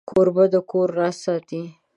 کوربه د کور راز ساتي.